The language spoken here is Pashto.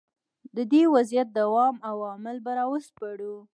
د دې وضعیت دوام او عوامل به را وسپړو.